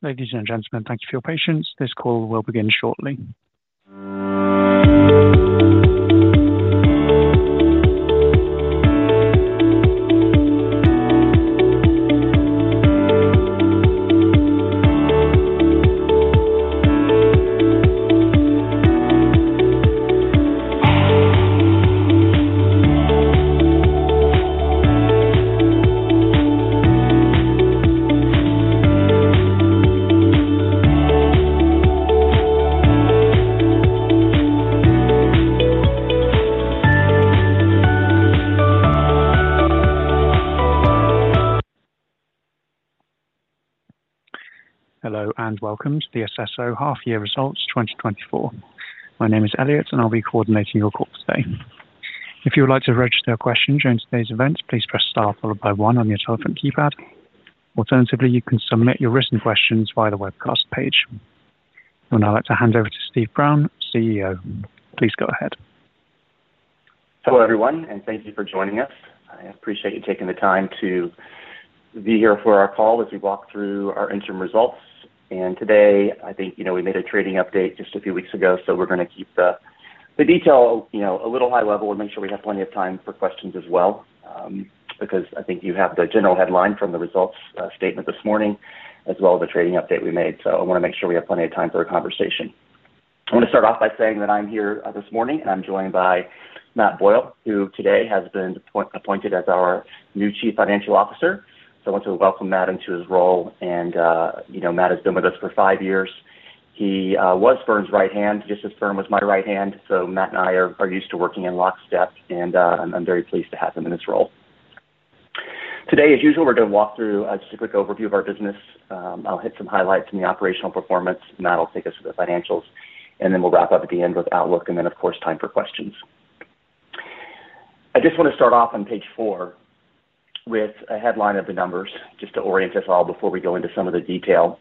Ladies and gentlemen, thank you for your patience. This call will begin shortly. Hello, and welcome to the Accesso half year results, twenty twenty-four. My name is Elliot, and I'll be coordinating your call today. If you would like to register a question during today's event, please press star followed by one on your telephone keypad. Alternatively, you can submit your written questions via the webcast page. I would now like to hand over to Steve Brown, CEO. Please go ahead. Hello, everyone, and thank you for joining us. I appreciate you taking the time to be here for our call as we walk through our interim results, and today, I think, you know, we made a trading update just a few weeks ago, so we're going to keep the detail, you know, a little high level and make sure we have plenty of time for questions as well, because I think you have the general headline from the results statement this morning, as well as the trading update we made, so I want to make sure we have plenty of time for a conversation. I want to start off by saying that I'm here this morning, and I'm joined by Matt Boyle, who today has been appointed as our new Chief Financial Officer. So I want to welcome Matt into his role and, you know, Matt has been with us for five years. He was Fern's right hand, just as Fern was my right hand. So Matt and I are used to working in lockstep, and I'm very pleased to have him in this role. Today, as usual, we're going to walk through just a quick overview of our business. I'll hit some highlights in the operational performance. Matt will take us through the financials, and then we'll wrap up at the end with outlook, and then, of course, time for questions. I just want to start off on page four with a headline of the numbers, just to orient us all before we go into some of the detail.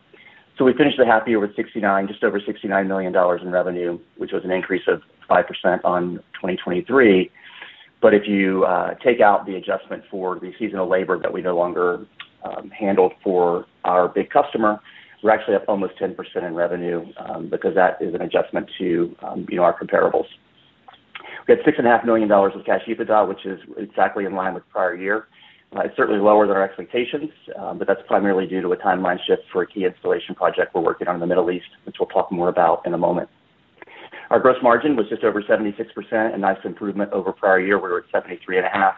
So we finished the half year with $69 million, just over $69 million in revenue, which was an increase of 5% on 2023. But if you take out the adjustment for the seasonal labor that we no longer handled for our big customer, we're actually up almost 10% in revenue because that is an adjustment to you know, our comparables. We had $6.5 million of cash EBITDA, which is exactly in line with prior year. It's certainly lower than our expectations but that's primarily due to a timeline shift for a key installation project we're working on in the Middle East, which we'll talk more about in a moment. Our gross margin was just over 76%, a nice improvement over prior year, we were at 73.5%.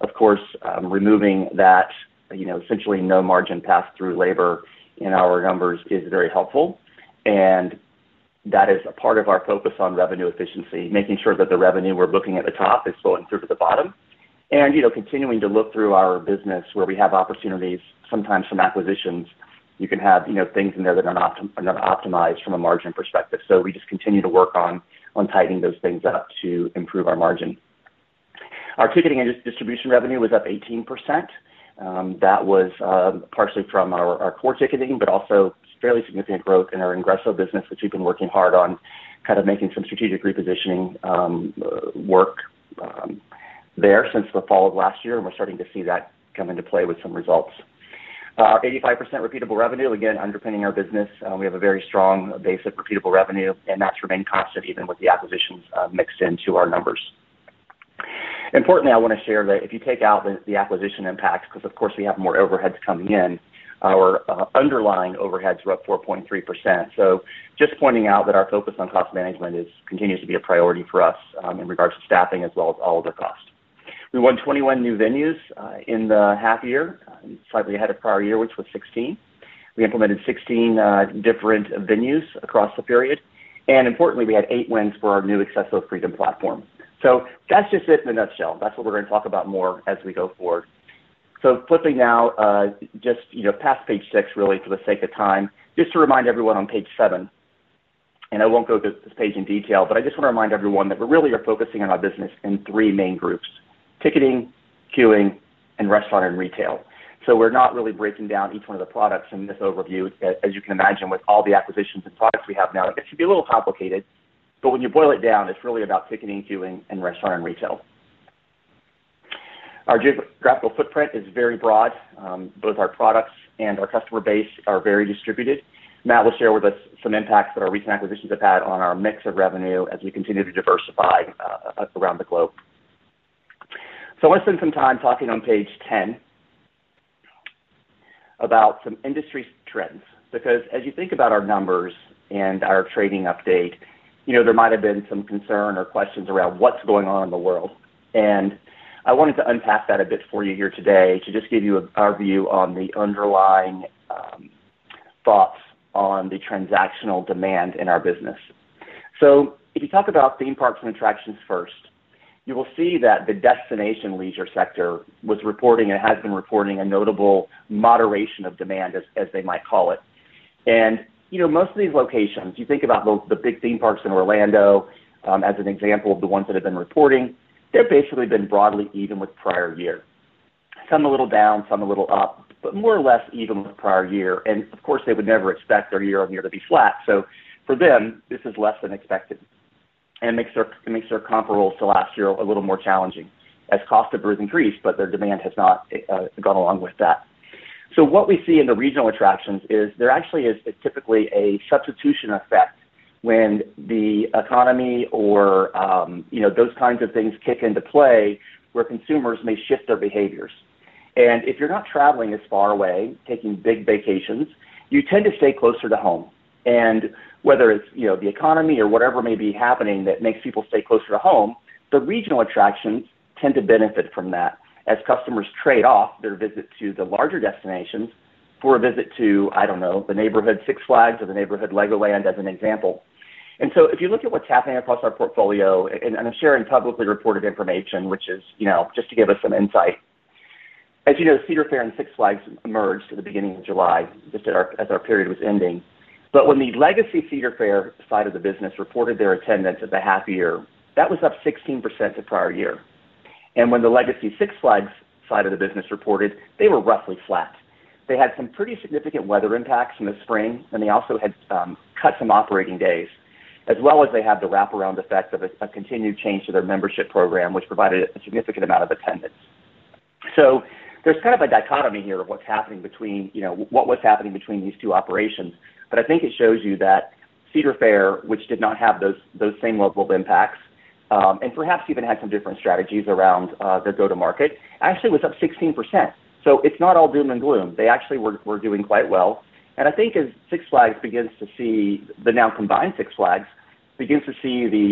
Of course, removing that, you know, essentially no margin pass through labor in our numbers is very helpful, and that is a part of our focus on revenue efficiency, making sure that the revenue we're looking at the top is flowing through to the bottom. And, you know, continuing to look through our business where we have opportunities, sometimes from acquisitions, you can have, you know, things in there that are not optimized from a margin perspective. So we just continue to work on tightening those things up to improve our margin. Our ticketing and distribution revenue was up 18%. That was partially from our core ticketing, but also fairly significant growth in our Ingresso business, which we've been working hard on, kind of making some strategic repositioning work there since the fall of last year, and we're starting to see that come into play with some results. 85% repeatable revenue, again, underpinning our business. We have a very strong base of repeatable revenue, and that's remained constant, even with the acquisitions mixed into our numbers. Importantly, I want to share that if you take out the acquisition impacts, because, of course, we have more overheads coming in, our underlying overheads were up 4.3%. So just pointing out that our focus on cost management is continues to be a priority for us in regards to staffing as well as all other costs. We won 21 new venues in the half year, slightly ahead of prior year, which was 16. We implemented 16 different venues across the period, and importantly, we had eight wins for our new Accesso Freedom platform. So that's just it in a nutshell. That's what we're going to talk about more as we go forward. So flipping now, just, you know, past page six, really, for the sake of time, just to remind everyone on page seven, and I won't go through this page in detail, but I just want to remind everyone that we really are focusing on our business in three main groups: ticketing, queuing, and restaurant and retail. So we're not really breaking down each one of the products in this overview. As you can imagine, with all the acquisitions and products we have now, it should be a little complicated, but when you boil it down, it's really about ticketing, queuing, and restaurant and retail. Our geographical footprint is very broad. Both our products and our customer base are very distributed. Matt will share with us some impacts that our recent acquisitions have had on our mix of revenue as we continue to diversify around the globe. I want to spend some time talking on page about some industry trends, because as you think about our numbers and our trading update, you know, there might have been some concern or questions around what's going on in the world. And I wanted to unpack that a bit for you here today to just give you our view on the underlying thoughts on the transactional demand in our business. So if you talk about theme parks and attractions first, you will see that the destination leisure sector was reporting and has been reporting a notable moderation of demand, as they might call it. And you know, most of these locations, you think about the big theme parks in Orlando as an example of the ones that have been reporting. They've basically been broadly even with prior year. Some a little down, some a little up, but more or less even with prior year. And of course, they would never expect their year on year to be flat. So for them, this is less than expected. and makes their comparable to last year a little more challenging, as costs have increased, but their demand has not gone along with that. So what we see in the regional attractions is there actually is typically a substitution effect when the economy or, you know, those kinds of things kick into play, where consumers may shift their behaviors. And if you're not traveling as far away, taking big vacations, you tend to stay closer to home. And whether it's, you know, the economy or whatever may be happening that makes people stay closer to home, the regional attractions tend to benefit from that as customers trade off their visit to the larger destinations for a visit to, I don't know, the neighborhood Six Flags or the neighborhood Legoland, as an example. If you look at what's happening across our portfolio, and I'm sharing publicly reported information, which is, you know, just to give us some insight. As you know, Cedar Fair and Six Flags merged at the beginning of July, just as our period was ending. When the legacy Cedar Fair side of the business reported their attendance at the half year, that was up 16% the prior year. When the Legacy Six Flags side of the business reported, they were roughly flat. They had some pretty significant weather impacts in the spring, and they also had cut some operating days, as well as they had the wraparound effect of a continued change to their membership program, which provided a significant amount of attendance. So there's kind of a dichotomy here of what's happening between, you know, what was happening between these two operations. But I think it shows you that Cedar Fair, which did not have those same local impacts, and perhaps even had some different strategies around their go-to-market, actually was up 16%. So it's not all doom and gloom. They actually were doing quite well. And I think as Six Flags begins to see the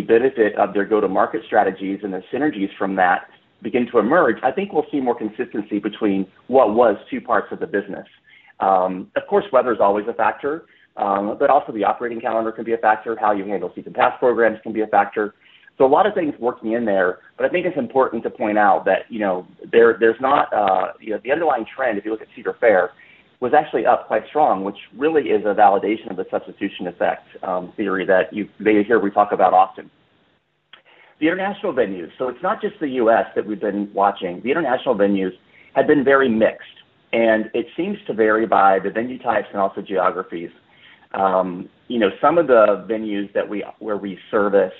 benefit of their go-to-market strategies and the synergies from that begin to emerge, I think we'll see more consistency between what was two parts of the business. Of course, weather's always a factor, but also the operating calendar can be a factor. How you handle season pass programs can be a factor. So a lot of things working in there, but I think it's important to point out that, you know, there, there's not the underlying trend, if you look at Cedar Fair, was actually up quite strong, which really is a validation of the substitution effect theory that you may hear we talk about often. The international venues. So it's not just the U.S. that we've been watching. The international venues have been very mixed, and it seems to vary by the venue types and also geographies. You know, some of the venues that we service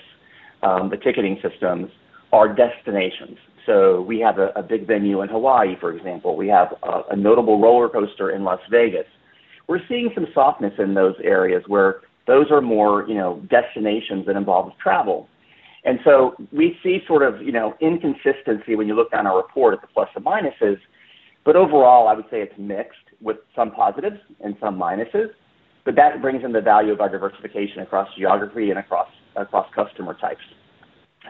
the ticketing systems are destinations. So we have a big venue in Hawaii, for example. We have a notable roller coaster in Las Vegas. We're seeing some softness in those areas where those are more, you know, destinations that involve travel. And so we see sort of, you know, inconsistency when you look down our report at the plus and minuses, but overall, I would say it's mixed, with some positives and some minuses, but that brings in the value of our diversification across geography and across customer types.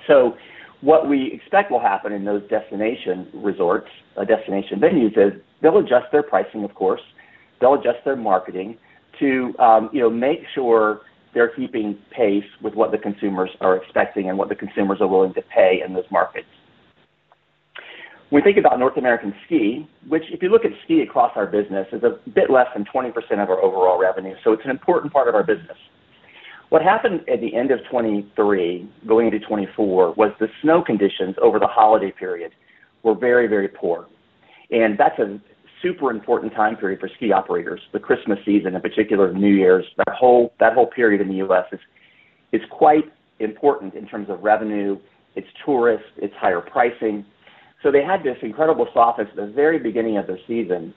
So what we expect will happen in those destination resorts or destination venues is, they'll adjust their pricing, of course. They'll adjust their marketing to, you know, make sure they're keeping pace with what the consumers are expecting and what the consumers are willing to pay in those markets. When we think about North American ski, which, if you look at ski across our business, is a bit less than 20% of our overall revenue, so it's an important part of our business. What happened at the end of 2023, going into 2024, was the snow conditions over the holiday period were very, very poor, and that's a super important time period for ski operators. The Christmas season, in particular, New Year's, that whole, that whole period in the U.S. is, is quite important in terms of revenue, it's tourists, it's higher pricing. So they had this incredible softness at the very beginning of the season,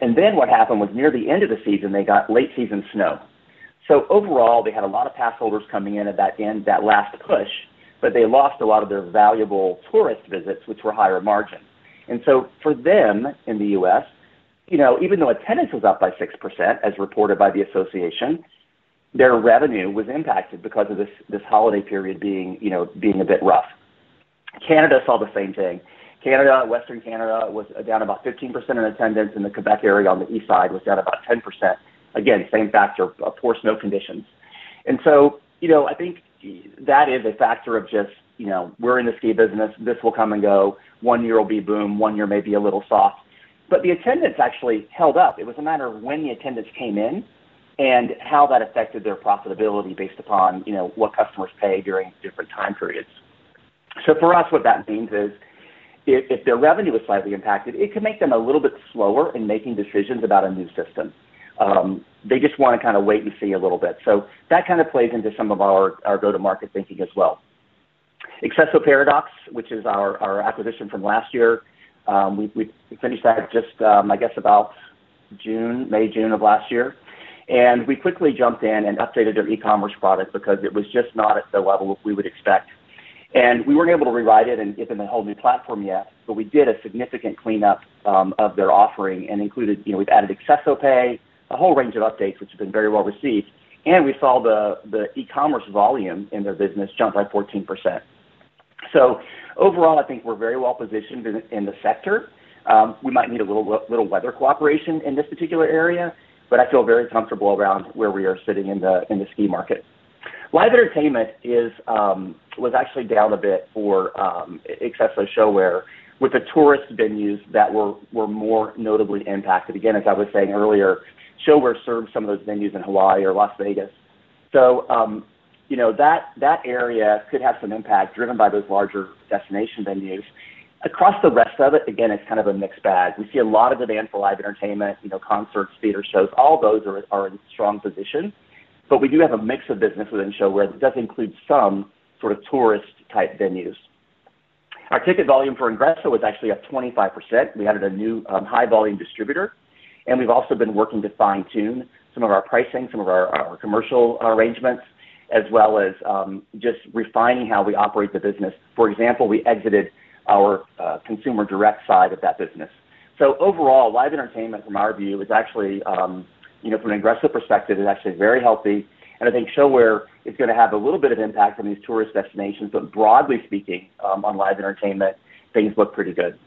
and then what happened was near the end of the season, they got late-season snow. So overall, they had a lot of pass holders coming in at that end, that last push, but they lost a lot of their valuable tourist visits, which were higher margin. And so for them, in the U.S., you know, even though attendance was up by 6%, as reported by the association, their revenue was impacted because of this holiday period being, you know, being a bit rough. Canada saw the same thing. Canada, Western Canada, was down about 15% in attendance, and the Quebec area on the east side was down about 10%. Again, same factor of poor snow conditions. And so, you know, I think that is a factor of just, you know, we're in the Ski business. This will come and go. One year will be boom, one year may be a little soft, but the attendance actually held up. It was a matter of when the attendance came in and how that affected their profitability based upon, you know, what customers pay during different time periods. So for us, what that means is if their revenue is slightly impacted, it could make them a little bit slower in making decisions about a new system. They just want to kind of wait and see a little bit. So that kind of plays into some of our go-to-market thinking as well. Accesso Paradox, which is our acquisition from last year, we finished that just, I guess, about June, May, June of last year. And we quickly jumped in and updated their e-commerce product because it was just not at the level we would expect. And we weren't able to rewrite it and give them a whole new platform yet, but we did a significant cleanup of their offering and included... You know, we've added Accesso Pay, a whole range of updates, which have been very well received, and we saw the e-commerce volume in their business jump by 14%. So overall, I think we're very well positioned in the sector. We might need a little weather cooperation in this particular area, but I feel very comfortable around where we are sitting in the ski market. Live entertainment was actually down a bit for Accesso ShoWare, with the tourist venues that were more notably impacted. Again, as I was saying earlier, ShoWare serves some of those venues in Hawaii or Las Vegas. So, you know, that area could have some impact driven by those larger destination venues. Across the rest of it, again, it's kind of a mixed bag. We see a lot of demand for live entertainment, you know, concerts, theater shows; all those are in strong position. But we do have a mix of business within Showware that does include some sort of tourist-type venues. Our ticket volume for Ingresso was actually up 25%. We added a new high-volume distributor, and we've also been working to fine-tune some of our pricing, some of our commercial arrangements, as well as just refining how we operate the business. For example, we exited our consumer direct side of that business. So overall, live entertainment, from our view, is actually, you know, from an Ingresso perspective, is actually very healthy, and I think ShoWare is gonna have a little bit of impact on these tourist destinations. But broadly speaking, on live entertainment, things look pretty good.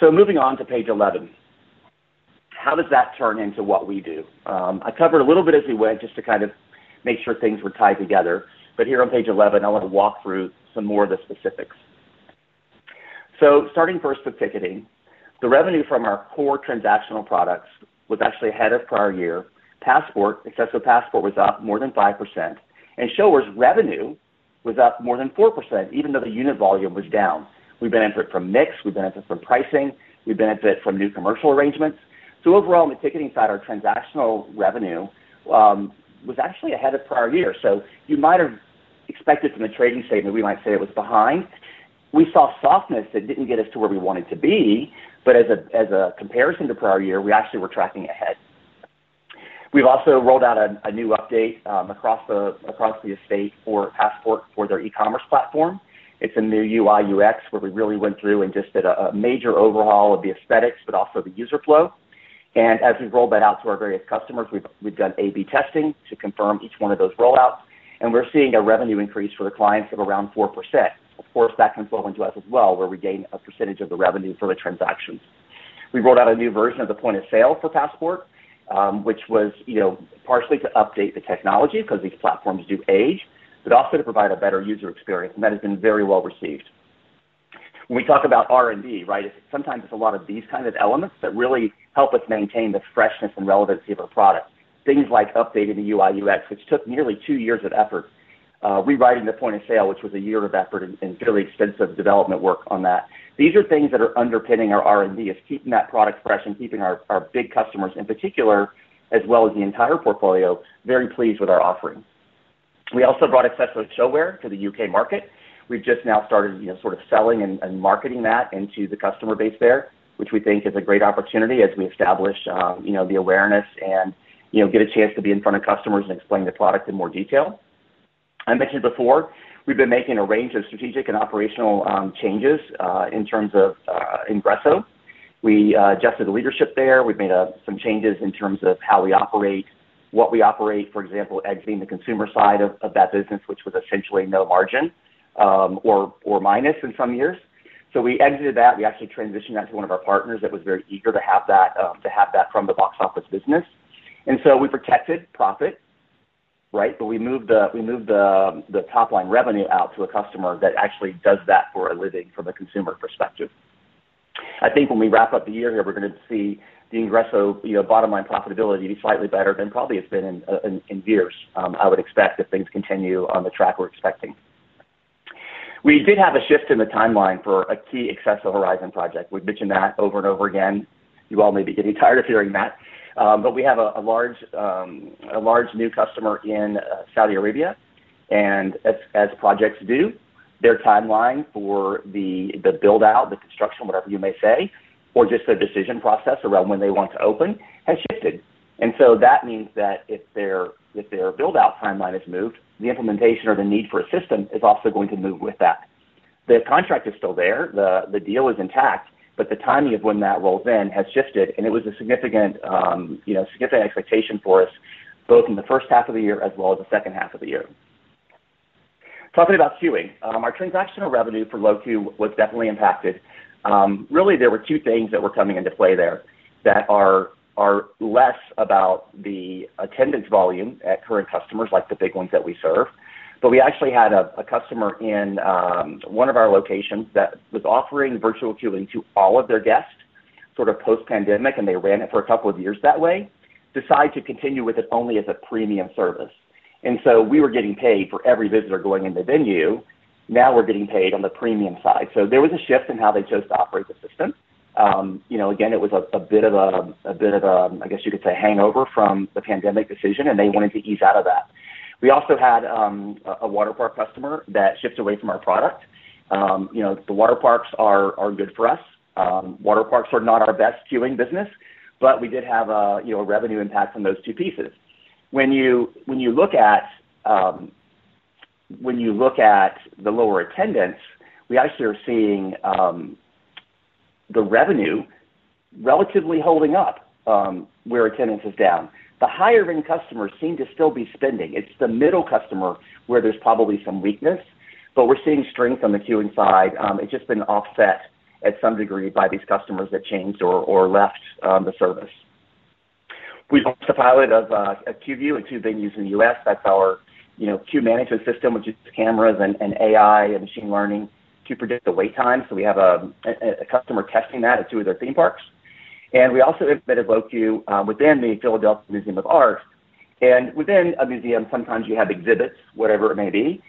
So moving on to page 11. How does that turn into what we do? I covered a little bit as we went, just to kind of make sure things were tied together. But here on page 11, I want to walk through some more of the specifics. So starting first with ticketing, the revenue from our core transactional products was actually ahead of prior year. Passport, Accesso Passport, was up more than 5%, and ShoWare's revenue was up more than 4%, even though the unit volume was down. We benefit from mix, we benefit from pricing, we benefit from new commercial arrangements. So overall, on the ticketing side, our transactional revenue, was actually ahead of prior year. So you might have expected from the trading statement, we might say it was behind. We saw softness that didn't get us to where we wanted to be, but as a comparison to prior year, we actually were tracking ahead. We've also rolled out a new update across the estate for Passport for their e-commerce platform. It's a new UI/UX, where we really went through and just did a major overhaul of the aesthetics, but also the user flow, and as we roll that out to our various customers, we've done A/B testing to confirm each one of those rollouts, and we're seeing a revenue increase for the clients of around 4%. Of course, that can flow into us as well, where we gain a percentage of the revenue for the transactions. We rolled out a new version of the point-of-sale for Passport, which was, you know, partially to update the technology, because these platforms do age, but also to provide a better user experience, and that has been very well received. When we talk about R&D, right, sometimes it's a lot of these kind of elements that really help us maintain the freshness and relevancy of our product. Things like updating the UI/UX, which took nearly two years of effort, rewriting the point-of-sale, which was a year of effort and fairly extensive development work on that. These are things that are underpinning our R&D. It's keeping that product fresh and keeping our big customers in particular, as well as the entire portfolio, very pleased with our offerings. We also brought Accesso ShoWare to the U.K. market. We've just now started, you know, sort of selling and marketing that into the customer base there, which we think is a great opportunity as we establish, you know, the awareness and, you know, get a chance to be in front of customers and explain the product in more detail. I mentioned before, we've been making a range of strategic and operational changes in terms of Ingresso. We adjusted the leadership there. We've made some changes in terms of how we operate, what we operate, for example, exiting the consumer side of that business, which was essentially no margin or minus in some years. So we exited that. We actually transitioned that to one of our partners that was very eager to have that from the box office business. And so we protected profit, right? But we moved the top-line revenue out to a customer that actually does that for a living from a consumer perspective. I think when we wrap up the year here, we're going to see the Ingresso, you know, bottom-line profitability be slightly better than probably it's been in years, I would expect, if things continue on the track we're expecting. We did have a shift in the timeline for a key Accesso Horizon project. We've mentioned that over and over again. You all may be getting tired of hearing that. But we have a large new customer in Saudi Arabia, and as projects do, their timeline for the build-out, the construction, whatever you may say, or just the decision process around when they want to open, has shifted. And so that means that if their build-out timeline has moved, the implementation or the need for a system is also going to move with that. The contract is still there, the deal is intact, but the timing of when that rolls in has shifted, and it was a significant, you know, significant expectation for us, both in the first half of the year as well as the second half of the year. Talking about queuing, our transactional revenue for LoQueue was definitely impacted. Really, there were two things that were coming into play there that are less about the attendance volume at current customers, like the big ones that we serve. But we actually had a customer in one of our locations that was offering virtual queuing to all of their guests, sort of post-pandemic, and they ran it for a couple of years that way, decide to continue with it only as a premium service. And so we were getting paid for every visitor going in the venue. Now we're getting paid on the premium side. So there was a shift in how they chose to operate the system. You know, again, it was a bit of a, I guess you could say, hangover from the pandemic decision, and they wanted to ease out of that. We also had a waterpark customer that shifted away from our product. You know, the waterparks are good for us. Waterparks are not our best queuing business, but we did have a you know revenue impact from those two pieces. When you look at the lower attendance, we actually are seeing the revenue relatively holding up where attendance is down. The higher-end customers seem to still be spending. It's the middle customer where there's probably some weakness, but we're seeing strength on the queuing side. It's just been offset at some degree by these customers that changed or left the service. We've launched a pilot of QueueView at two venues in the U.S. That's our you know Queue management system, which uses cameras and AI and machine learning to predict the wait time. So we have a customer testing that at two of their theme parks. We also implemented LoQueue within the Philadelphia Museum of Art. Within a museum, sometimes you have exhibits, whatever it may be,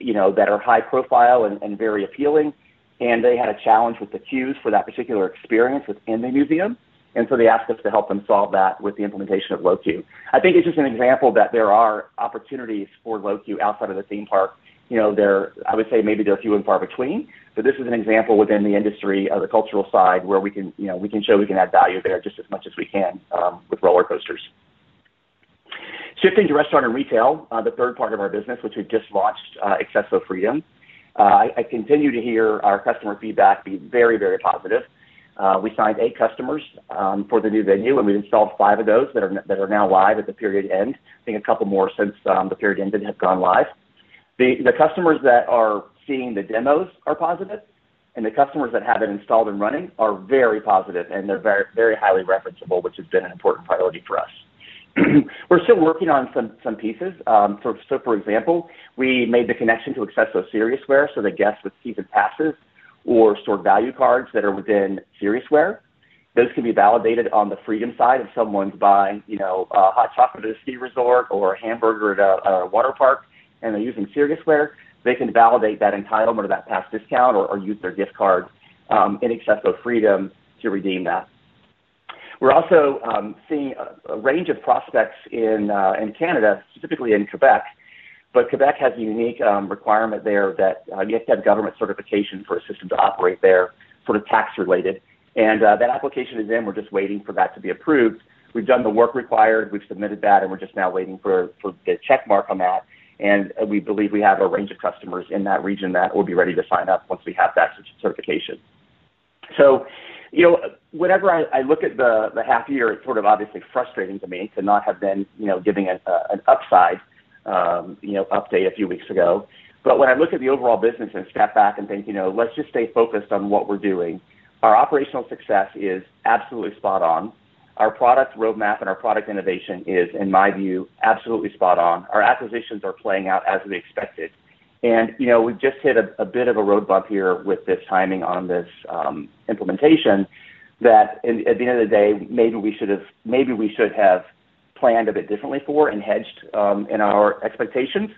you know, that are high profile and very appealing. They had a challenge with the queues for that particular experience within the museum, and so they asked us to help them solve that with the implementation of LoQueue. I think it's just an example that there are opportunities for LoQueue outside of the theme park. You know, I would say maybe they're few and far between, but this is an example within the industry of the cultural side, where we can, you know, we can show we can add value there just as much as we can with roller coasters. Shifting to restaurant and retail, the third part of our business, which we just launched, Accesso Freedom. I continue to hear our customer feedback be very, very positive. We signed eight customers for the new venue, and we've installed five of those that are now live at the period end. I think a couple more since the period end and have gone live. The customers that are seeing the demos are positive, and the customers that have it installed and running are very positive, and they're very, very highly referenceable, which has been an important priority for us. We're still working on some pieces. For example, we made the connection to Accesso Siriusware, so that guests with season passes or stored value cards that are within Siriusware, those can be validated on the Freedom side. If someone's buying, you know, a hot chocolate at a ski resort or a hamburger at a waterpark, and they're using Siriusware, they can validate that entitlement or that pass discount or use their gift card in Accesso Freedom to redeem that. We're also seeing a range of prospects in Canada, specifically in Quebec, but Quebec has a unique requirement there that you have to have government certification for a system to operate there, sort of tax-related, and that application is in; we're just waiting for that to be approved. We've done the work required. We've submitted that, and we're just now waiting for a check mark on that. We believe we have a range of customers in that region that will be ready to sign up once we have that certification. So you know, whenever I look at the half year, it's sort of obviously frustrating to me to not have been, you know, giving an upside update a few weeks ago. But when I look at the overall business and step back and think, you know, let's just stay focused on what we're doing, our operational success is absolutely spot on. Our product roadmap and our product innovation is, in my view, absolutely spot on. Our acquisitions are playing out as we expected. And you know, we've just hit a bit of a road bump here with the timing on this implementation that at the end of the day, maybe we should have planned a bit differently for and hedged in our expectations.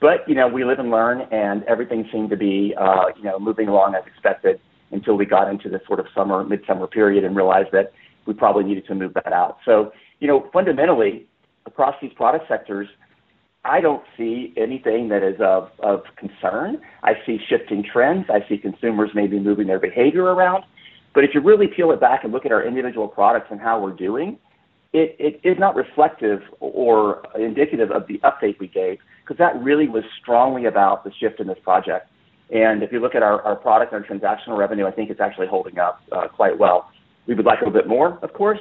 But, you know, we live and learn, and everything seemed to be, you know, moving along as expected until we got into this sort of summer, midsummer period and realized that we probably needed to move that out. So, you know, fundamentally, across these product sectors, I don't see anything that is of concern. I see shifting trends. I see consumers maybe moving their behavior around. But if you really peel it back and look at our individual products and how we're doing, it's not reflective or indicative of the update we gave, 'cause that really was strongly about the shift in this project. And if you look at our product and our transactional revenue, I think it's actually holding up, quite well. We would like a little bit more, of course,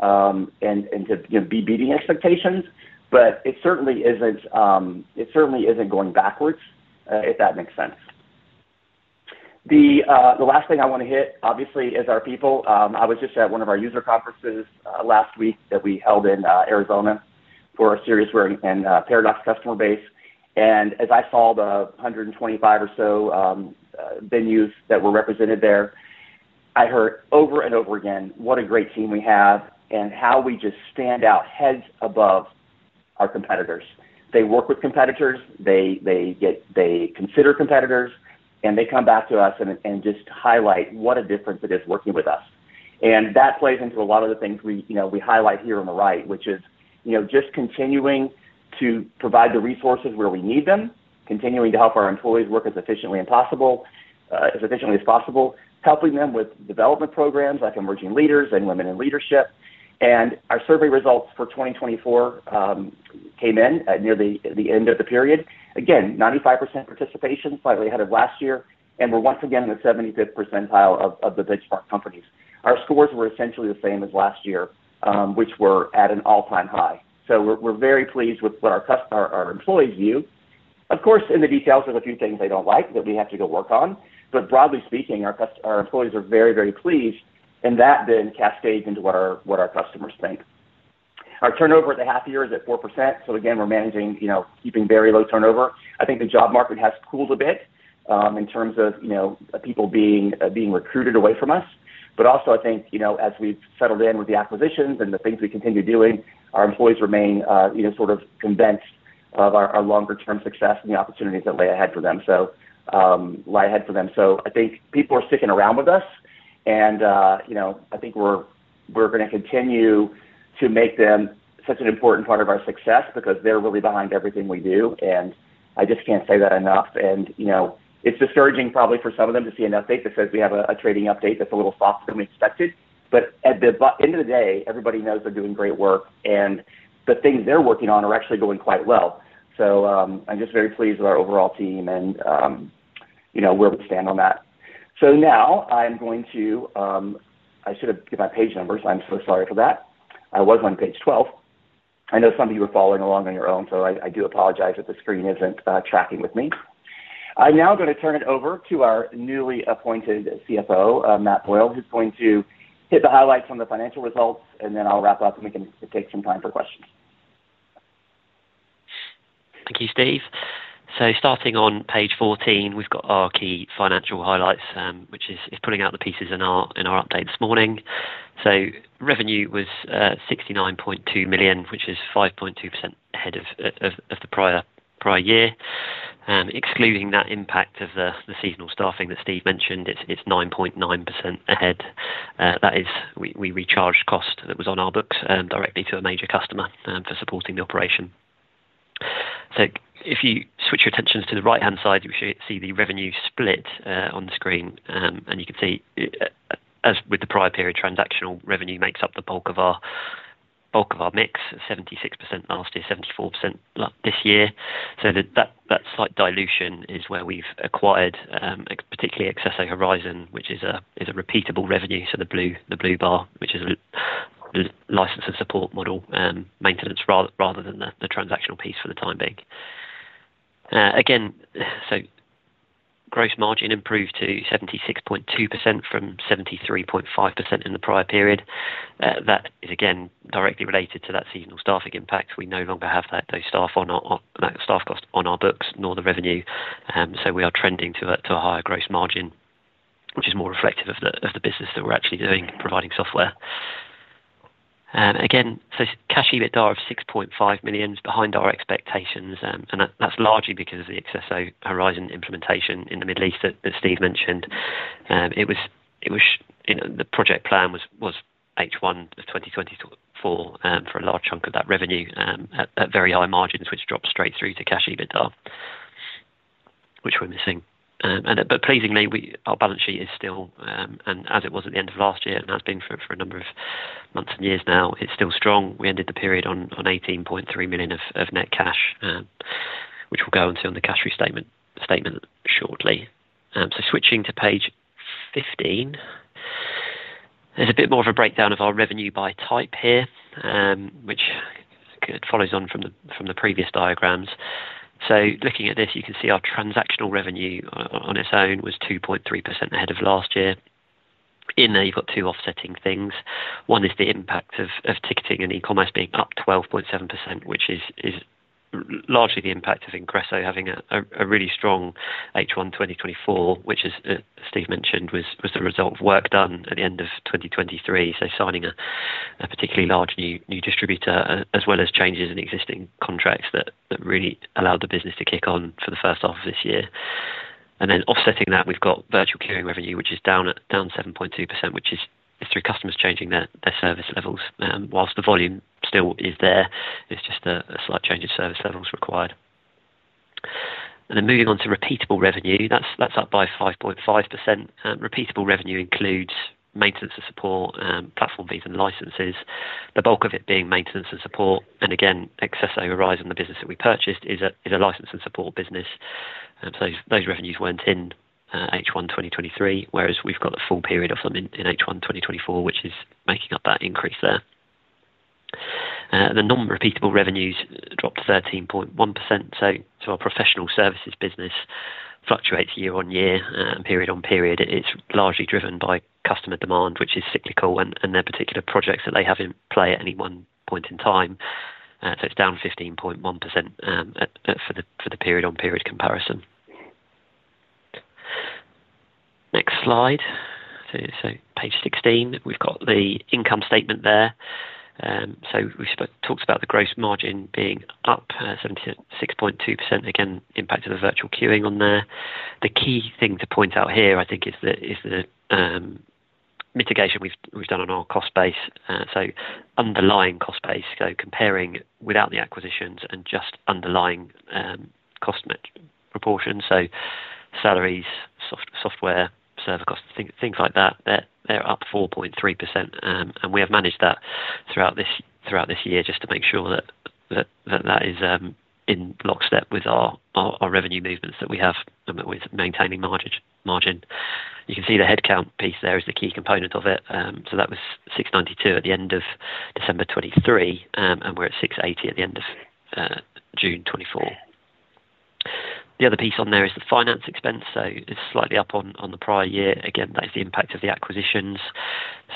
and to, you know, be beating expectations, but it certainly isn't, it certainly isn't going backwards, if that makes sense. The last thing I want to hit, obviously, is our people. I was just at one of our user conferences last week that we held in Arizona for our Siriusware and Paradox customer base. And as I saw the 125 or so venues that were represented there, I heard over and over again what a great team we have and how we just stand out heads above our competitors. They work with competitors, they consider competitors, and they come back to us and just highlight what a difference it is working with us. That plays into a lot of the things we, you know, we highlight here on the right, which is, you know, just continuing to provide the resources where we need them, continuing to help our employees work as efficiently as possible, helping them with development programs like Emerging Leaders and Women in Leadership. Our survey results for 2024 came in near the end of the period. Again, 95% participation, slightly ahead of last year, and we're once again in the 75th percentile of the benchmark companies. Our scores were essentially the same as last year, which were at an all-time high. We're very pleased with what our employees view. Of course, in the details, there's a few things they don't like that we have to go work on, but broadly speaking, our employees are very, very pleased, and that then cascades into what our customers think. Our turnover at the half year is at 4%, so again, we're managing, you know, keeping very low turnover. I think the job market has cooled a bit in terms of, you know, people being recruited away from us. But also, I think, you know, as we've settled in with the acquisitions and the things we continue doing, our employees remain, you know, sort of convinced of our longer term success and the opportunities that lay ahead for them. So I think people are sticking around with us, and you know, I think we're gonna continue to make them such an important part of our success because they're really behind everything we do, and I just can't say that enough. And you know, it's discouraging probably for some of them to see an update that says we have a trading update that's a little softer than we expected. But at the end of the day, everybody knows they're doing great work, and the things they're working on are actually going quite well. So I'm just very pleased with our overall team and you know, where we stand on that. So now I'm going to... I should have given my page numbers. I'm so sorry for that. I was on page 12. I know some of you were following along on your own, so I do apologize if the screen isn't tracking with me. I'm now gonna turn it over to our newly appointed CFO, Matt Boyle, who's going to hit the highlights on the financial results, and then I'll wrap up, and we can take some time for questions. Thank you, Steve. Starting on page 14, we've got our key financial highlights, which is putting out the pieces in our update this morning. Revenue was $69.2 million, which is 5.2% ahead of the prior year. Excluding that impact of the seasonal staffing that Steve mentioned, it's 9.9% ahead. That is we recharged cost that was on our books directly to a major customer for supporting the operation. If you switch your attention to the right-hand side, you see the revenue split on the screen. And you can see, as with the prior period, transactional revenue makes up the bulk of our mix, 76% last year, 74% this year. That slight dilution is where we've acquired particularly Accesso Horizon, which is a repeatable revenue, so the blue bar, which is a license and support model, maintenance rather than the transactional piece for the time being. Again, so gross margin improved to 76.2% from 73.5% in the prior period. That is again directly related to that seasonal staffing impact. We no longer have those staff costs on our books, nor the revenue, so we are trending to a higher gross margin, which is more reflective of the business that we're actually doing, providing software. Again, so Cash EBITDA of $6.5 million is behind our expectations, and that's largely because of the Accesso Horizon implementation in the Middle East that Steve mentioned. It was, you know, the project plan was H1 of 2024 for a large chunk of that revenue at very high margins, which dropped straight through to Cash EBITDA, which we're missing. And but pleasingly, our balance sheet is still and as it was at the end of last year, and has been for a number of months and years now, it's still strong. We ended the period on $18.3 million of net cash, which we'll go into on the cash flow statement shortly. So switching to page 15. There's a bit more of a breakdown of our revenue by type here, which follows on from the previous diagrams. Looking at this, you can see our transactional revenue on its own was 2.3% ahead of last year. In there, you've got two offsetting things. One is the impact of ticketing and e-commerce being up 12.7%, which is largely the impact of Ingresso having a really strong H1 2024, which as Steve mentioned, was the result of work done at the end of 2023. Signing a particularly large new distributor, as well as changes in existing contracts that really allowed the business to kick on for the first half of this year. And then offsetting that, we've got virtual queuing revenue, which is down 7.2%, which is through customers changing their service levels. While the volume still is there, it's just a slight change in service levels required. And then moving on to repeatable revenue, that's up by 5.5%. Repeatable revenue includes maintenance and support, platform fees and licenses, the bulk of it being maintenance and support. And again, Accesso Horizon, the business that we purchased, is a license and support business. So those revenues weren't in H1 2023, whereas we've got a full period of them in H1 2024, which is making up that increase there. The non-repeatable revenues dropped to 13.1%, so our professional services business fluctuates year-on year, period on period. It's largely driven by customer demand, which is cyclical, and their particular projects that they have in play at any one point in time. So it's down 15.1% for the period-on-period comparison. Next slide. So page 16, we've got the income statement there. So we've talked about the gross margin being up 76.2%. Again, impact of the virtual queuing on there. The key thing to point out here, I think, is the mitigation we've done on our cost base. So underlying cost base, so comparing without the acquisitions and just underlying cost mix proportion, so salaries, software, server costs, things like that. They're up 4.3%, and we have managed that throughout this year just to make sure that is in lockstep with our revenue movements that we have with maintaining margin. You can see the headcount piece there is the key component of it. So that was 692 at the end of December 2023, and we're at 680 at the end of June 2024. The other piece on there is the finance expense, so it's slightly up on the prior year. Again, that is the impact of the acquisitions.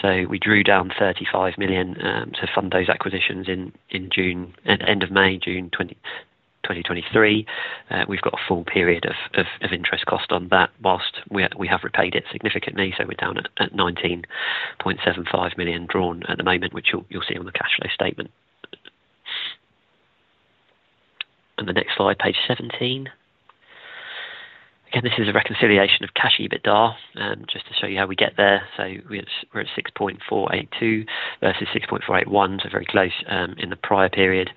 We drew down $35 million to fund those acquisitions in June and end of May, June 2023. We've got a full period of interest cost on that while we have repaid it significantly, so we're down at $19.75 million drawn at the moment, which you'll see on the cash flow statement. The next slide, page 17. Again, this is a reconciliation of cash EBITDA just to show you how we get there. We are at $6.482 versus $6.481, so very close in the prior period.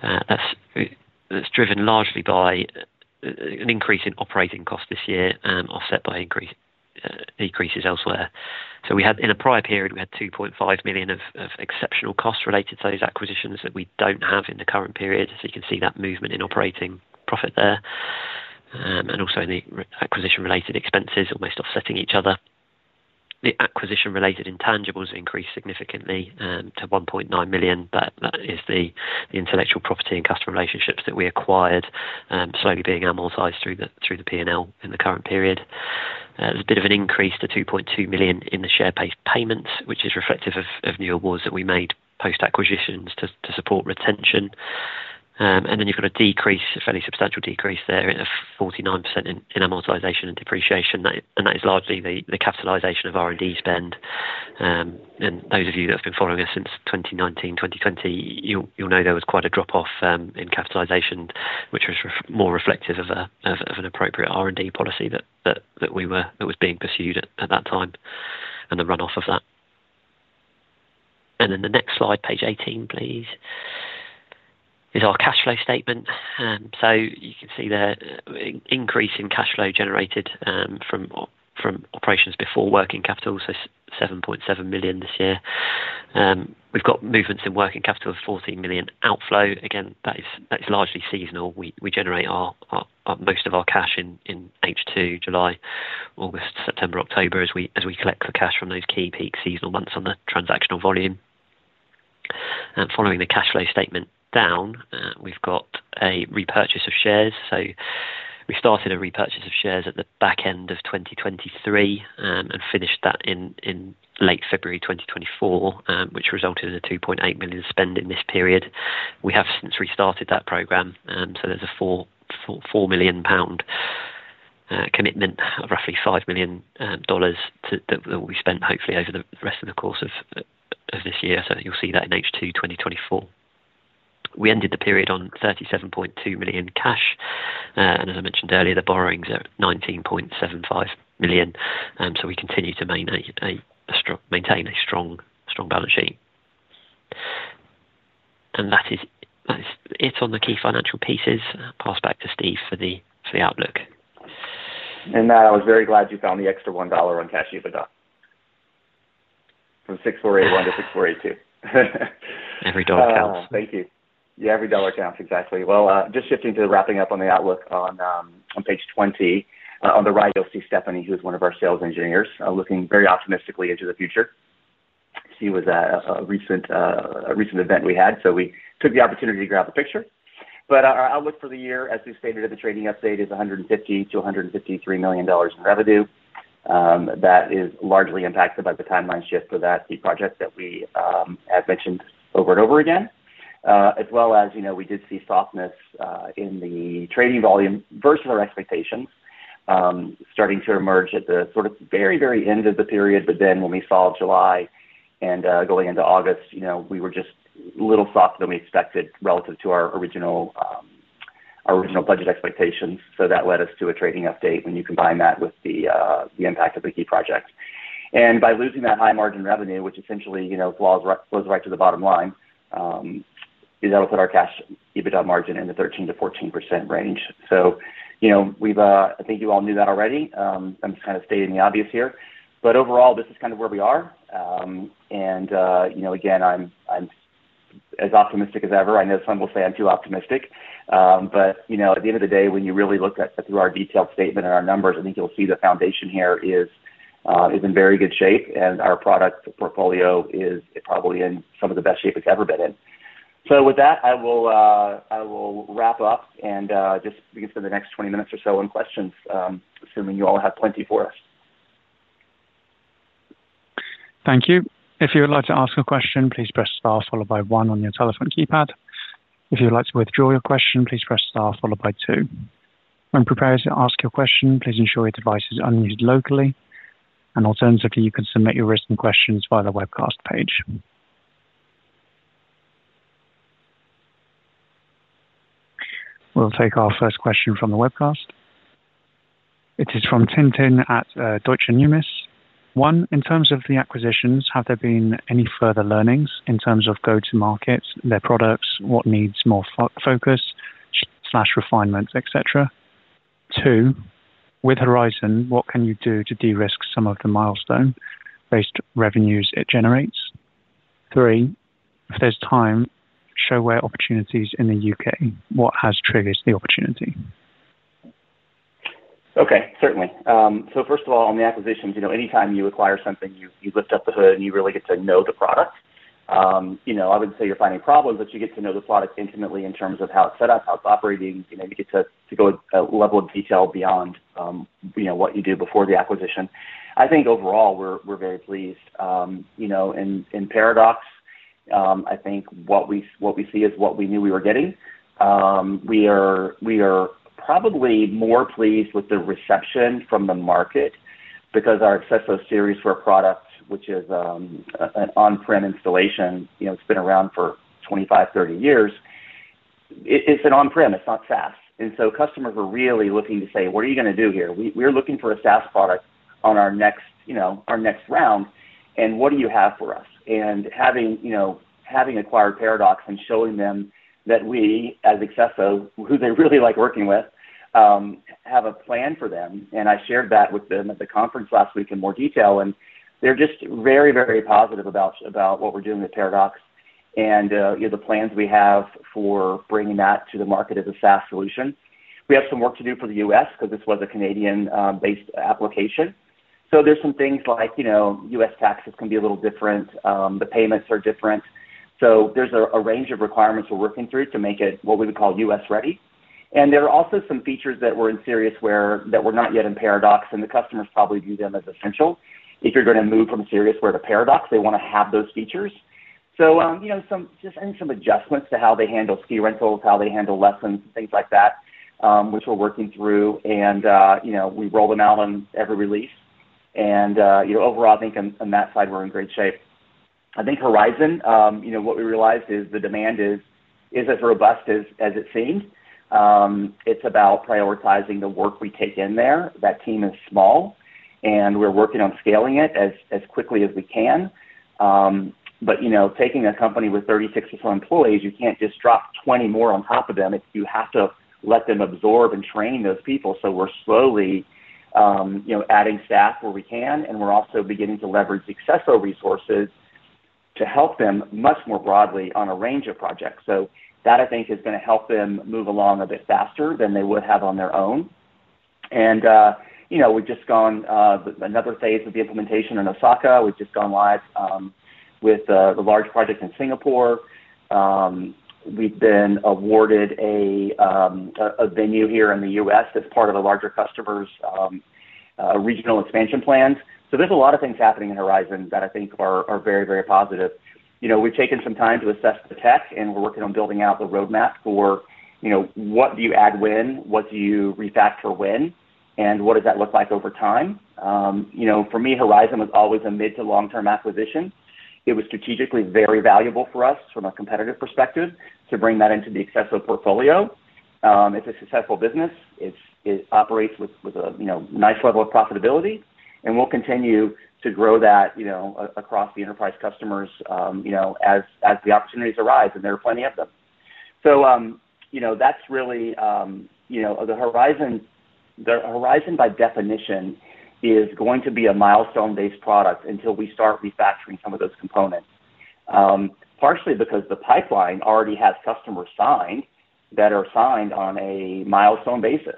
That's driven largely by an increase in operating costs this year, offset by increases elsewhere. So we had in a prior period, we had $2.5 million of exceptional costs related to those acquisitions that we don't have in the current period. So you can see that movement in operating profit there, and also in the acquisition-related expenses almost offsetting each other. The acquisition-related intangibles increased significantly to $1.9 million. That is the intellectual property and customer relationships that we acquired, slowly being amortized through the P&L in the current period. There's a bit of an increase to $2.2 million in the share-based payments, which is reflective of new awards that we made post-acquisitions to support retention. And then you've got a decrease, a fairly substantial decrease there, of 49% in amortization and depreciation. That is largely the capitalization of R&D spend. And those of you that have been following us since 2019, 2020, you'll know there was quite a drop-off in capitalization, which was more reflective of an appropriate R&D policy that was being pursued at that time, and the run-off of that. And then the next slide, page 18, please, is our cash flow statement. So you can see the increase in cash flow generated from operations before working capital, so $7.7 million this year. We've got movements in working capital of $14 million outflow. Again, that is largely seasonal. We generate our most of our cash in H2, July, August, September, October, as we collect the cash from those key peak seasonal months on the transactional volume. Following the cash flow statement down, we've got a repurchase of shares. We started a repurchase of shares at the back end of 2023 and finished that in late February 2024, which resulted in a $2.8 million spend in this period. We have since restarted that program, so there's a 4 million pound commitment of roughly $5 million. That will be spent hopefully over the rest of the course of this year. You'll see that in H2 2024. We ended the period on $37.2 million cash and as I mentioned earlier, the borrowings are $19.75 million, so we continue to maintain a strong balance sheet. That's it on the key financial pieces. Pass back to Steve for the outlook. And Matt, I was very glad you found the extra $1 on Cash EBITDA. From $6,481 to $6,482. Every dollar counts. Thank you. Yeah, every dollar counts, exactly. Well, just shifting to wrapping up on the outlook on page 20. On the right, you'll see Stephanie, who's one of our sales engineers, looking very optimistically into the future. She was at a recent event we had, so we took the opportunity to grab a picture. But our outlook for the year, as we stated in the trading update, is $150-153 million in revenue. That is largely impacted by the timeline shift for that project that we have mentioned over and over again. As well as, you know, we did see softness in the trading volume versus our expectations starting to emerge at the sort of very, very end of the period. But then when we saw July and going into August, you know, we were just a little softer than we expected relative to our original, our original budget expectations. So that led us to a trading update when you combine that with the, the impact of the key project. And by losing that high-margin revenue, which essentially, you know, flows right, flows right to the bottom line, that'll put our Cash EBITDA margin in the 13%-14% range. So, you know, we've... I think you all knew that already. I'm just kind of stating the obvious here, but overall, this is kind of where we are. And, you know, again, I'm, I'm as optimistic as ever. I know some will say I'm too optimistic, but, you know, at the end of the day, when you really look at, through our detailed statement and our numbers, I think you'll see the foundation here is, is in very good shape, and our product portfolio is probably in some of the best shape it's ever been in. So with that, I will, I will wrap up, and, just we can spend the next 20 minutes or so on questions, assuming you all have plenty for us. Thank you. If you would like to ask a question, please press star followed by one on your telephone keypad. If you'd like to withdraw your question, please press star followed by two. When prepared to ask your question, please ensure your device is unused locally, and alternatively, you can submit your written questions via the webcast page. We'll take our first question from the webcast. It is from Tintin at Deutsche Numis. One, in terms of the acquisitions, have there been any further learnings in terms of go-to-markets, their products, what needs more focus/refinements, et cetera? Two, with Horizon, what can you do to de-risk some of the milestone-based revenues it generates? Three, if there's time, ShoWare opportunities in the UK, what has triggered the opportunity? Okay, certainly. So first of all, on the acquisitions, you know, anytime you acquire something, you lift up the hood, and you really get to know the product. You know, I wouldn't say you're finding problems, but you get to know the product intimately in terms of how it's set up, how it's operating. You know, you get to go a level of detail beyond, you know, what you do before the acquisition. I think overall, we're very pleased. You know, in Paradox, I think what we see is what we knew we were getting. We are probably more pleased with the reception from the market because our Accesso Siriusware product, which is an on-prem installation, you know, it's been around for twenty-five, thirty years. It's an on-prem, it's not SaaS. And so customers are really looking to say: What are you gonna do here? We're looking for a SaaS product on our next, you know, our next round, and what do you have for us? And having, you know, having acquired Paradox and showing them that we, as Accesso, who they really like working with, have a plan for them, and I shared that with them at the conference last week in more detail, and they're just very, very positive about what we're doing with Paradox and, you know, the plans we have for bringing that to the market as a SaaS solution. We have some work to do for the U.S. because this was a Canadian based application. So there's some things like, you know, U.S. taxes can be a little different, the payments are different. So there's a range of requirements we're working through to make it what we would call U.S. ready. And there are also some features that were in Siriusware that were not yet in Paradox, and the customers probably view them as essential. If you're going to move from Siriusware to Paradox, they want to have those features. So, you know, some just adding some adjustments to how they handle ski rentals, how they handle lessons, and things like that, which we're working through, and, you know, we roll them out on every release. And, you know, overall, I think on that side, we're in great shape. I think Horizon, you know, what we realized is the demand is as robust as it seems. It's about prioritizing the work we take in there. That team is small, and we're working on scaling it as quickly as we can. But, you know, taking a company with 36 or so employees, you can't just drop 20 more on top of them. You have to let them absorb and train those people, so we're slowly, you know, adding staff where we can, and we're also beginning to leverage accesso resources to help them much more broadly on a range of projects. So that, I think, is gonna help them move along a bit faster than they would have on their own. And, you know, we've just gone another phase of the implementation in Osaka. We've just gone live with the large project in Singapore. We've been awarded a venue here in the U.S., that's part of a larger customer's regional expansion plans. There's a lot of things happening in Horizon that I think are very, very positive. You know, we've taken some time to assess the tech, and we're working on building out the roadmap for, you know, what do you add when, what do you refactor when, and what does that look like over time? You know, for me, Horizon was always a mid to long-term acquisition. It was strategically very valuable for us from a competitive perspective to bring that into the accesso portfolio. It's a successful business. It operates with a, you know, nice level of profitability, and we'll continue to grow that, you know, across the enterprise customers, you know, as the opportunities arise, and there are plenty of them. So, you know, that's really, you know, the Horizon, by definition, is going to be a milestone-based product until we start refactoring some of those components. Partially because the pipeline already has customers signed, that are signed on a milestone basis.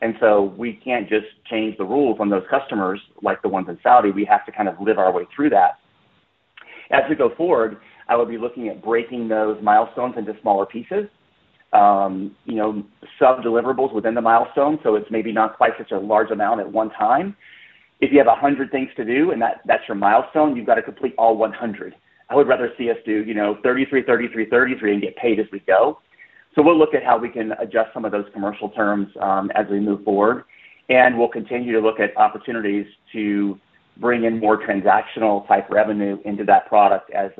And so we can't just change the rules on those customers, like the ones in Saudi. We have to kind of live our way through that. As we go forward, I will be looking at breaking those milestones into smaller pieces, you know, sub-deliverables within the milestone, so it's maybe not quite such a large amount at one time. If you have a hundred things to do and that, that's your milestone, you've got to complete all one hundred. I would rather see us do, you know, thirty-three, thirty-three, thirty-three, and get paid as we go. So we'll look at how we can adjust some of those commercial terms, as we move forward, and we'll continue to look at opportunities to bring in more transactional type revenue into that product as,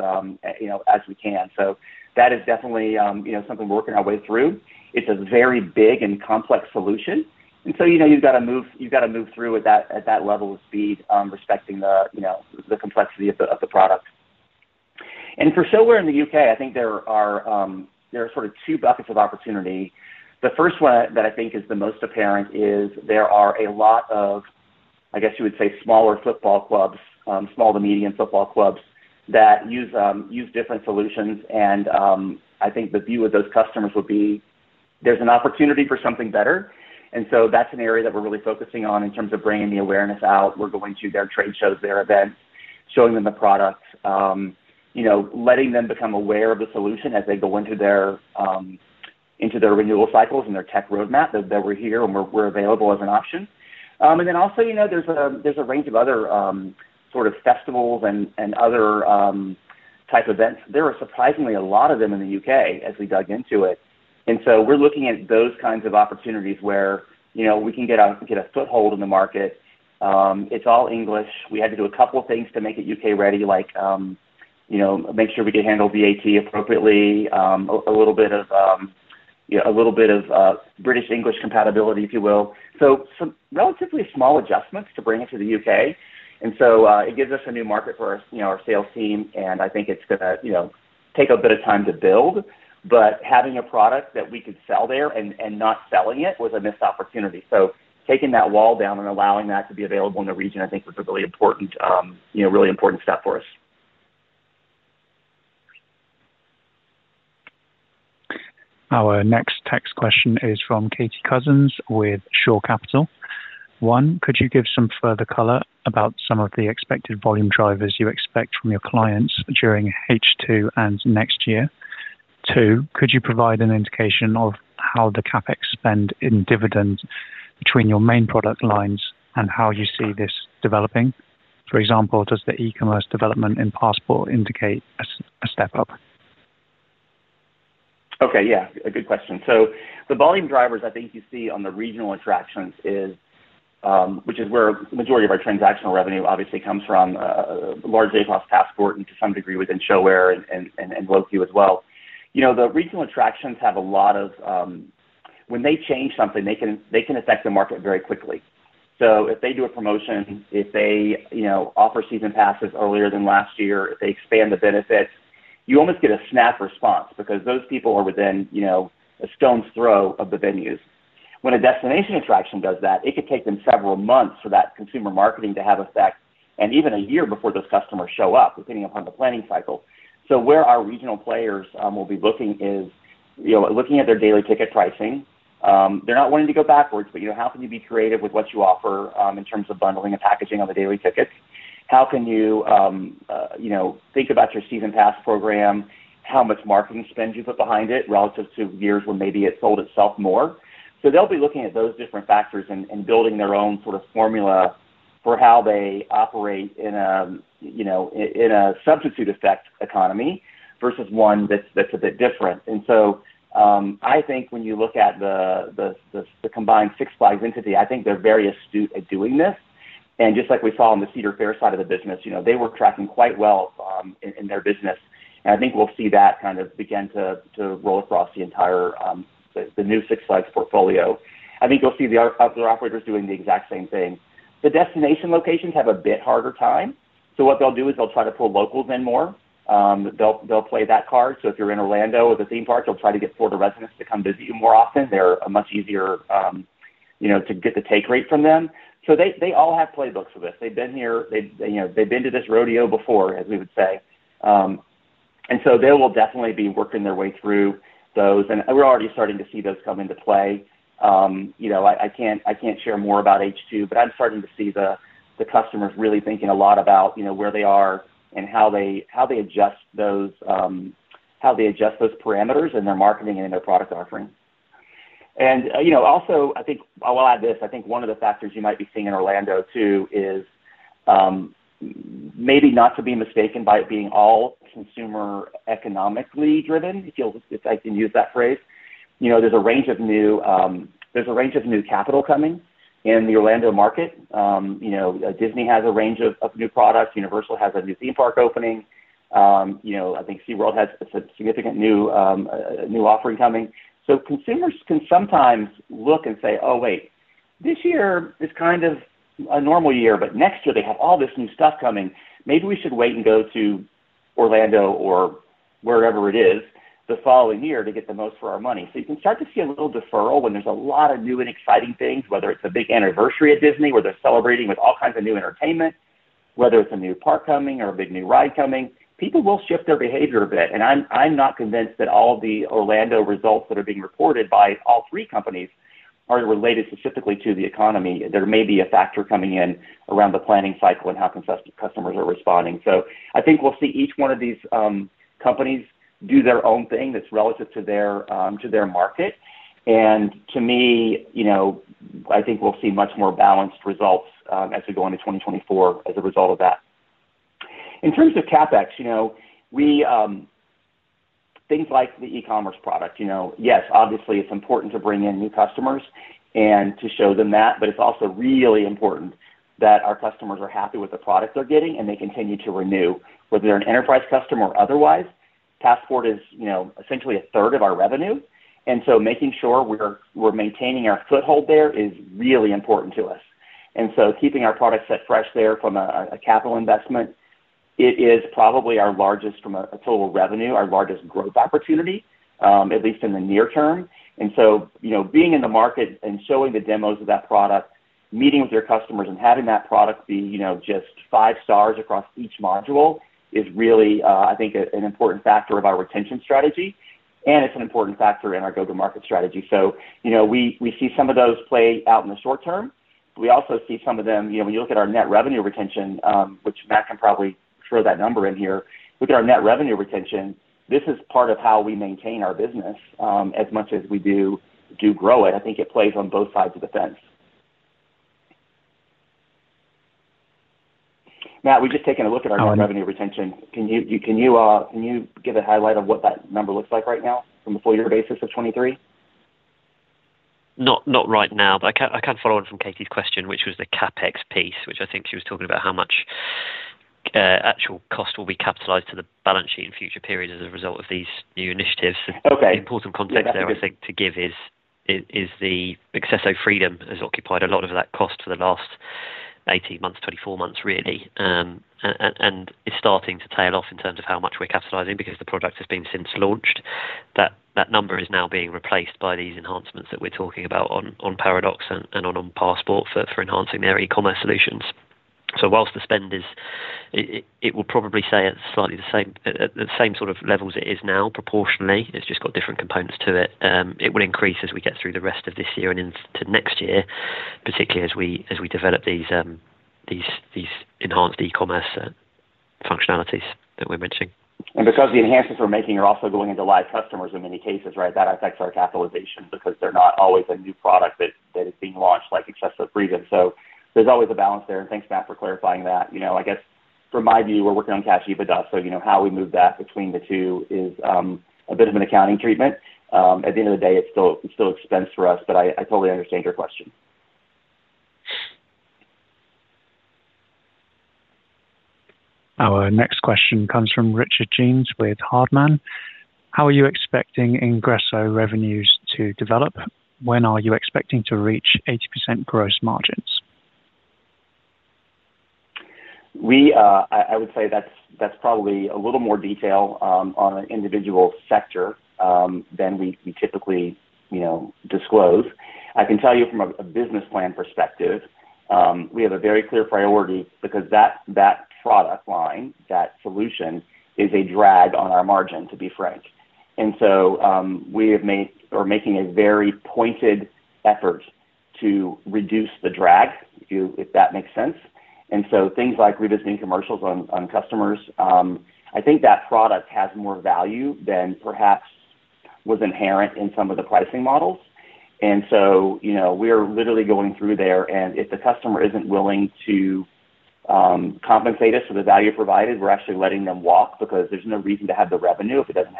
you know, as we can. So that is definitely, you know, something we're working our way through. It's a very big and complex solution, and so, you know, you've got to move through at that level of speed, respecting the, you know, the complexity of the product. And for ShoWare in the UK, I think there are sort of two buckets of opportunity. The first one that I think is the most apparent is there are a lot of, I guess you would say, smaller football clubs, small to medium football clubs, that use different solutions, and I think the view of those customers would be, there's an opportunity for something better, and so that's an area that we're really focusing on in terms of bringing the awareness out. We're going to their trade shows, their events, showing them the products, you know, letting them become aware of the solution as they go into their renewal cycles and their tech roadmap, that we're here and we're available as an option, and then also, you know, there's a range of other sort of festivals and other type events. There are surprisingly a lot of them in the UK as we dug into it, and so we're looking at those kinds of opportunities where, you know, we can get a foothold in the market. It's all English. We had to do a couple of things to make it UK ready, like, you know, make sure we could handle VAT appropriately, a little bit of, you know, British English compatibility, if you will, so some relatively small adjustments to bring it to the UK, and so it gives us a new market for our, you know, our sales team, and I think it's gonna, you know, take a bit of time to build, but having a product that we could sell there and not selling it was a missed opportunity. So taking that wall down and allowing that to be available in the region, I think was a really important, you know, really important step for us. Our next text question is from Katie Cousins with Shore Capital. One, could you give some further color about some of the expected volume drivers you expect from your clients during H2 and next year? Two, could you provide an indication of how the CapEx spend and dividends between your main product lines and how you see this developing? For example, does the e-commerce development in Passport indicate a step up? Okay, yeah, a good question. So the volume drivers, I think you see on the regional attractions is, which is where the majority of our transactional revenue obviously comes from, large day pass Passport and to some degree, within ShoWare and [Siriusware] as well. You know, the regional attractions have a lot of. When they change something, they can affect the market very quickly. So if they do a promotion, if they, you know, offer season passes earlier than last year, if they expand the benefits, you almost get a snap response because those people are within, you know, a stone's throw of the venues. When a destination attraction does that, it could take them several months for that consumer marketing to have effect, and even a year before those customers show up, depending upon the planning cycle. So where our regional players will be looking is, you know, looking at their daily ticket pricing. They're not wanting to go backwards, but, you know, how can you be creative with what you offer, in terms of bundling and packaging of the daily tickets? How can you, you know, think about your season pass program, how much marketing spend you put behind it relative to years where maybe it sold itself more? So they'll be looking at those different factors and building their own sort of formula for how they operate in a, you know, in a substitute effect economy versus one that's a bit different. And so, I think when you look at the combined Six Flags entity, I think they're very astute at doing this. Just like we saw on the Cedar Fair side of the business, you know, they were tracking quite well in their business. I think we'll see that kind of begin to roll across the entire new Six Flags portfolio. I think you'll see the other operators doing the exact same thing. The destination locations have a bit harder time, so what they'll do is they'll try to pull locals in more. They'll play that card. So if you're in Orlando at the theme park, they'll try to get Florida residents to come visit you more often. They're a much easier, you know, to get the take rate from them. So they all have playbooks for this. They've been here. You know, they've been to this rodeo before, as we would say. And so they will definitely be working their way through those, and we're already starting to see those come into play. You know, I can't share more about H2, but I'm starting to see the customers really thinking a lot about, you know, where they are and how they adjust those parameters in their marketing and in their product offerings. And, you know, also, I think... I will add this: I think one of the factors you might be seeing in Orlando, too, is maybe not to be mistaken by it being all consumer economically driven, if I can use that phrase. You know, there's a range of new capital coming in the Orlando market. You know, Disney has a range of new products. Universal has a new theme park opening. You know, I think SeaWorld has a significant new, a new offering coming. So consumers can sometimes look and say, "Oh, wait, this year is kind of a normal year, but next year they have all this new stuff coming. Maybe we should wait and go to Orlando, or wherever it is, the following year to get the most for our money." So you can start to see a little deferral when there's a lot of new and exciting things, whether it's a big anniversary at Disney, where they're celebrating with all kinds of new entertainment, whether it's a new park coming or a big new ride coming, people will shift their behavior a bit. And I'm not convinced that all the Orlando results that are being reported by all three companies are related specifically to the economy. There may be a factor coming in around the planning cycle and how customers are responding, so I think we'll see each one of these companies do their own thing that's relative to their market, and to me, you know, I think we'll see much more balanced results as we go into 2024 as a result of that. In terms of CapEx, you know, things like the e-commerce product, you know. Yes, obviously, it's important to bring in new customers and to show them that, but it's also really important that our customers are happy with the product they're getting, and they continue to renew, whether they're an enterprise customer or otherwise. Passport is, you know, essentially a third of our revenue, and so making sure we're maintaining our foothold there is really important to us. And so keeping our product set fresh there from a capital investment, it is probably our largest from a total revenue, our largest growth opportunity, at least in the near term. And so, you know, being in the market and showing the demos of that product, meeting with your customers and having that product be, you know, just five stars across each module, is really, I think, an important factor of our retention strategy, and it's an important factor in our go-to-market strategy. So, you know, we see some of those play out in the short term. We also see some of them, you know, when you look at our net revenue retention, which Matt can probably throw that number in here. With our net revenue retention, this is part of how we maintain our business as much as we do grow it. I think it plays on both sides of the fence. Matt, we've just taken a look at our net revenue retention. Can you give a highlight of what that number looks like right now from a full year basis of 2023? Not right now, but I can follow on from Katie's question, which was the CapEx piece, which I think she was talking about how much actual cost will be capitalized to the balance sheet in future periods as a result of these new initiatives. Okay. The important context there, I think, to give is the Accesso Freedom has occupied a lot of that cost for the last 18 months, 24 months, really. And it's starting to tail off in terms of how much we're capitalizing because the product has been since launched. That number is now being replaced by these enhancements that we're talking about on Paradox and on Passport for enhancing their e-commerce solutions. So while the spend is... It will probably stay at slightly the same, at the same sort of levels it is now, proportionally. It's just got different components to it. It will increase as we get through the rest of this year and into next year, particularly as we develop these enhanced e-commerce functionalities that we're mentioning. Because the enhancements we're making are also going into live customers in many cases, right, that affects our capitalization, because they're not always a new product that is being launched, like Accesso Freedom. So there's always a balance there, and thanks, Matt, for clarifying that. You know, I guess from my view, we're working on Cash EBITDA, so you know, how we move that between the two is a bit of an accounting treatment. At the end of the day, it's still expense for us, but I totally understand your question. Our next question comes from Richard Jeans with Hardman. How are you expecting Ingresso revenues to develop? When are you expecting to reach 80% gross margins? We, I would say that's probably a little more detail on an individual sector than we typically, you know, disclose. I can tell you from a business plan perspective, we have a very clear priority because that product line, that solution, is a drag on our margin, to be frank. And so, we have made or making a very pointed effort to reduce the drag, if that makes sense. And so things like revisiting commercials on customers, I think that product has more value than perhaps was inherent in some of the pricing models. So, you know, we are literally going through there, and if the customer isn't willing to compensate us for the value provided, we're actually letting them walk because there's no reason to have the revenue if it doesn't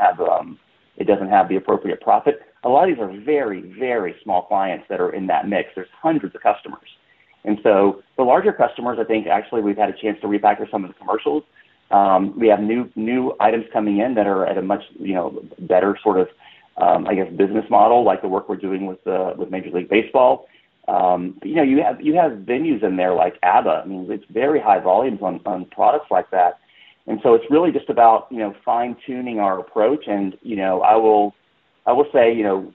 have the appropriate profit. A lot of these are very, very small clients that are in that mix. There's hundreds of customers. So the larger customers, I think actually we've had a chance to refactor some of the commercials. We have new items coming in that are at a much, you know, better sort of, I guess, business model, like the work we're doing with Major League Baseball. You know, you have venues in there like ABBA. I mean, it's very high volumes on products like that. It's really just about, you know, fine-tuning our approach. I will say, you know,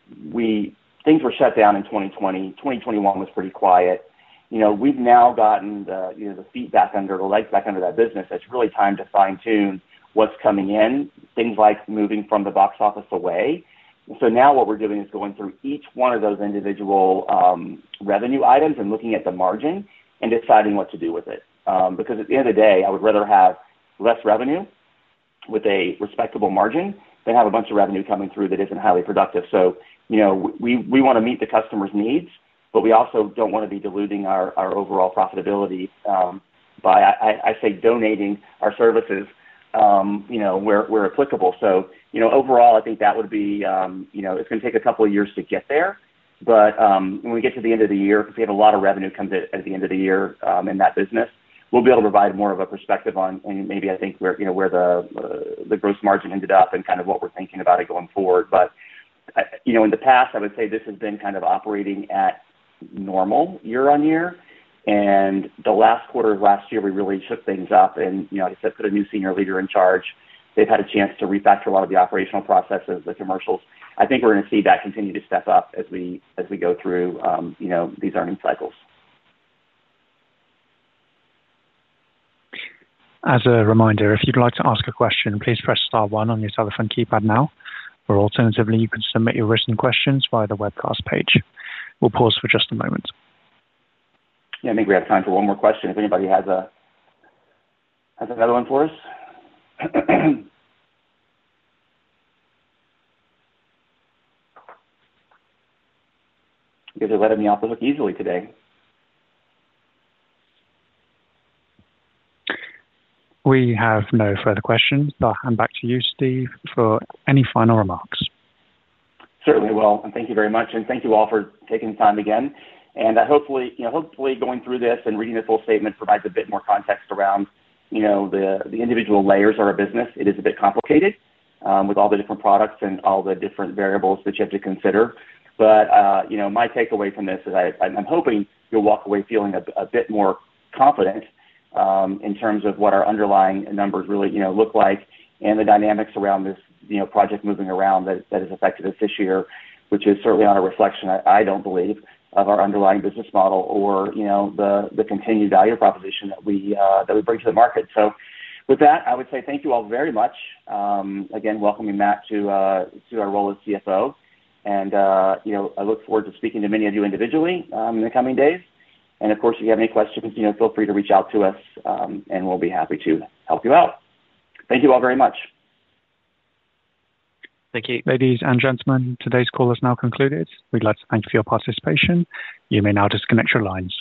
things were shut down in 2020. 2021 was pretty quiet. You know, we've now gotten the, you know, the legs back under that business. It's really time to fine-tune what's coming in, things like moving from the box office away. So now what we're doing is going through each one of those individual revenue items and looking at the margin and deciding what to do with it. Because at the end of the day, I would rather have less revenue with a respectable margin than have a bunch of revenue coming through that isn't highly productive. So, you know, we wanna meet the customer's needs, but we also don't want to be diluting our overall profitability by donating our services, you know, where applicable. So, you know, overall, I think that would be, you know, it's gonna take a couple of years to get there, but when we get to the end of the year, because we have a lot of revenue come at the end of the year in that business, we'll be able to provide more of a perspective on maybe I think where, you know, where the gross margin ended up and kind of what we're thinking about it going forward. But, you know, in the past, I would say this has been kind of operating at normal year on year, and the last quarter of last year, we really shook things up and, you know, I said, put a new senior leader in charge. They've had a chance to refactor a lot of the operational processes, the commercials. I think we're gonna see that continue to step up as we go through, you know, these earning cycles. As a reminder, if you'd like to ask a question, please press star one on your telephone keypad now, or alternatively, you can submit your written questions via the webcast page. We'll pause for just a moment. Yeah, I think we have time for one more question. If anybody has another one for us? You guys are letting me off the hook easily today. We have no further questions. I'll hand back to you, Steve, for any final remarks. Certainly will, and thank you very much, and thank you all for taking the time again. Hopefully, you know, going through this and reading this full statement provides a bit more context around, you know, the individual layers of our business. It is a bit complicated with all the different products and all the different variables that you have to consider. But you know, my takeaway from this is I'm hoping you'll walk away feeling a bit more confident in terms of what our underlying numbers really, you know, look like and the dynamics around this, you know, project moving around that has affected us this year, which is certainly not a reflection, I don't believe, of our underlying business model or, you know, the continued value proposition that we bring to the market. So with that, I would say thank you all very much. Again, welcoming Matt to our role as CFO. And, you know, I look forward to speaking to many of you individually, in the coming days. And of course, if you have any questions, you know, feel free to reach out to us, and we'll be happy to help you out. Thank you all very much. Thank you. Ladies and gentlemen, today's call is now concluded. We'd like to thank you for your participation. You may now disconnect your lines.